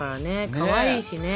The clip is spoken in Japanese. かわいいしね。